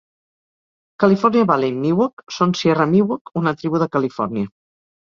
California Valley Miwok són Sierra Miwok, una tribu de Califòrnia.